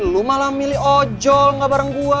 lu malah milih ojol gak bareng gue